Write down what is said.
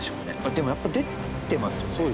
でもやっぱ出てますよね。